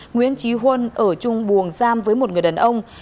nguyễn trí huân ở chung buồng giam với một người đàn ông